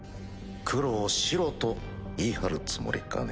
黒を白と言い張るつもりかね？